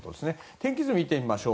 天気図を見てみましょう。